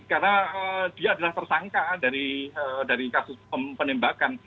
karena dia adalah tersangka dari kasus penembakan